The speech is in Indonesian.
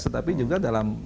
tetapi juga dalam